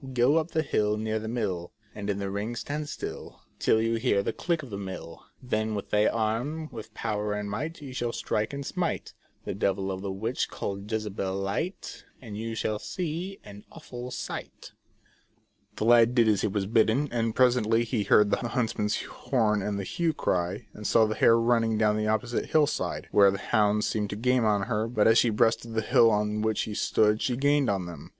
Go up the hill near the mill, And in the ring stand still Till you hear the click of the mill Then with thy arm, with power and might, You shall strike and smite The devil of a witch called Jezabel light, And you shall see an aivful sight" The lad did as he was bidden, and presently he heard the huntsman's horn and the hue and cry, and saw the hare running down the opposite hill side, where the hounds seemed to gain on her, but as she breasted the hill on which he stood she gained on them.